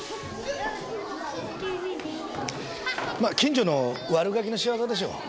ま近所の悪ガキの仕業でしょう。